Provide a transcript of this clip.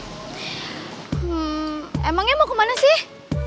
hmm emangnya mau kemana sih